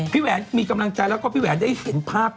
แหวนมีกำลังใจแล้วก็พี่แหวนได้เห็นภาพ